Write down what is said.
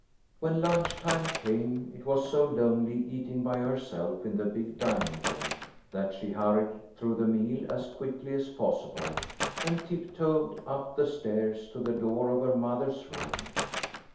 When lunch time came, it was so lonely eating by herself in the big dining room, that she hurried through the meal as quickly as possible, and tiptoed up the stairs to the door of her mother's room.